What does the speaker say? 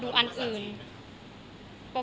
มีแค่เมื่อกี๊